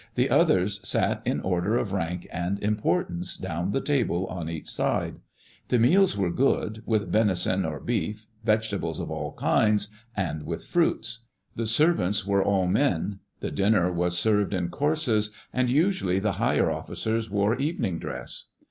The others sat in order of rank and importance down the table on each side. The meals were good, with venison or beef, vegetables of all kinds, and with fruits. The servants were all men. The dinner was served in courses, and usually the higher officers wore evening dress.